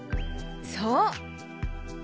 そう。